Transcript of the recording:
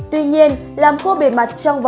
tuy nhiên làm khô bề mặt trong vật